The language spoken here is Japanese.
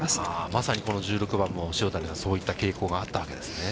まさにこの１６番も塩谷さん、そういった傾向があったわけですね。